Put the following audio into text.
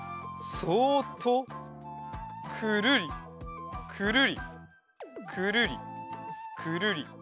くるりくるりくるりくるり。